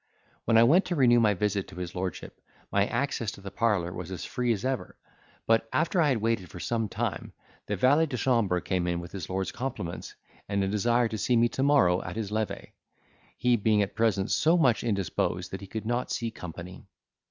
When I went to renew my visit to his lordship, my access to the parlour was as free as ever; but after I had waited for some time, the valet de chambre came in with his lord's compliments, and a desire to see me to morrow at his levee, he being at present so much indisposed that he could not see company.